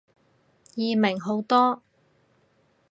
易明好多